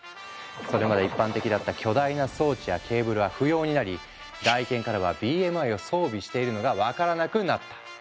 それまで一般的だった巨大な装置やケーブルは不要になり外見からはＢＭＩを装備しているのが分からなくなった。